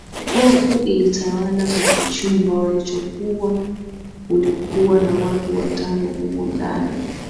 Hofu ilitawala kwenye chumba walichokuwa kulikuwa na watu watano humo ndani